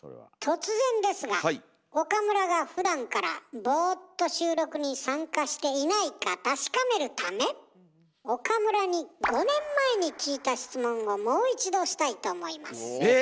突然ですが岡村がふだんからボーっと収録に参加していないか確かめるため岡村に５年前に聞いた質問をええ！